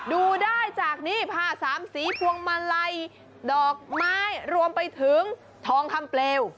ดูได้จากนี้ผ้าสามสีพวงมาลัยดอกไม้รวมไปถึงทองคำเปลว